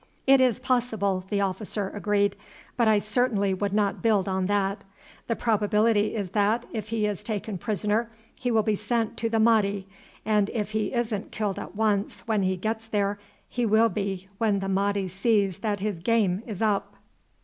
"It is possible," the officer agreed, "but I certainly would not build on that. The probability is that if he is taken prisoner he will be sent to the Mahdi, and if he isn't killed at once when he gets there, he will be when the Mahdi sees that his game is up."